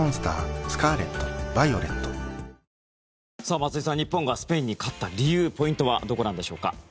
松井さん日本がスペインに勝った理由ポイントはどこなんでしょうか。